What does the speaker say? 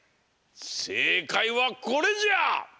せいかいはこれじゃ！